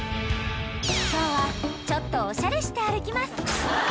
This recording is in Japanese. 今日はちょっとおしゃれして歩きます